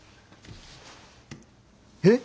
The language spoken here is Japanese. えっ？